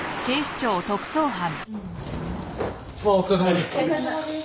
あっお疲れさまです。